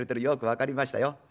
よく分かりましたよ。